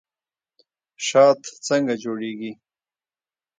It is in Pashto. شات څنګه جوړیږي؟